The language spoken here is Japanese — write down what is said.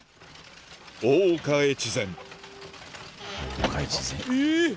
『大岡越前』え！